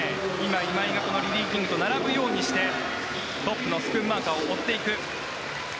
今井がリリー・キングと並ぶようにしてトップのスクンマーカーを追っていく。